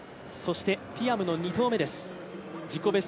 ティアムの２投目です。